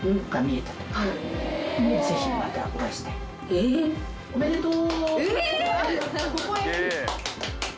えっ！おめでとう。